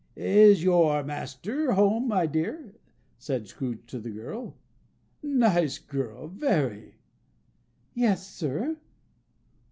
"Is your master at home, my dear?" said Scrooge to the girl. "Nice girl! Very." "Yes, sir."